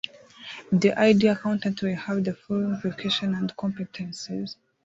the ideal Accountant will have the following qualifications and competencies